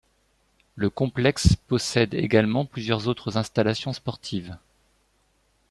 Le complexe possède également plusieurs autres installations sportives.